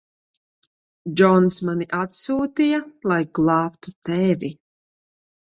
Džons mani atsūtīja, lai glābtu tevi.